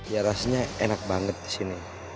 ya rasanya enak banget di sini